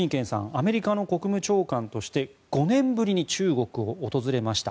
アメリカの国務長官として５年ぶりに中国を訪れました。